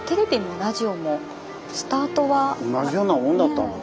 同じようなもんだったんだね。